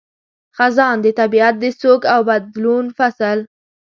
خزان – د طبیعت د سوګ او بدلون فصل